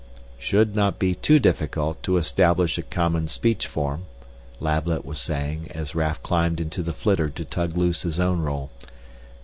"... should not be too difficult to establish a common speech form," Lablet was saying as Raf climbed into the flitter to tug loose his own roll.